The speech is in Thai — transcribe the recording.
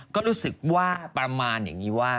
ก็รู้สึกว่าประมาณอย่างนี้ว่า